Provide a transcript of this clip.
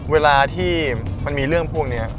เวลาที่มันมีเรื่องพวกนี้